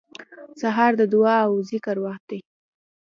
سهار د دعا او ذکر وخت دی.